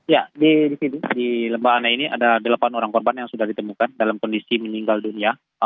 ya di lembana ini ada delapan orang korban yang sudah ditemukan dalam kondisi meninggal dunia